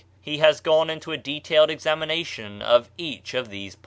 He has gone into a detailed examination of each of these points, ' G.